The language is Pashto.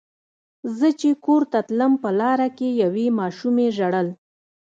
زه چې کور ته تلم په لاره کې یوې ماشومې ژړل.